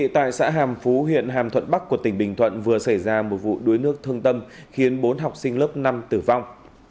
tại xã hàm phú huyện hàm thuận bắc của tỉnh bình thuận vừa xảy ra một vụ đuối nước thương tâm khiến bốn học sinh lớp năm tử vong